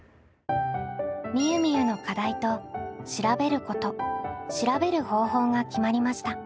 みゆみゆの課題と「調べること」「調べる方法」が決まりました。